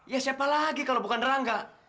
ya siapa lagi kalau bukan rangga